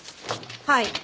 はい。